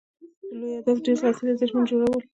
د لوبي هدف ډېر ځغستل يا زیاتي منډي جوړول دي.